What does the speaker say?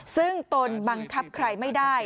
ซึ่งตนบังคับใครไม่ได้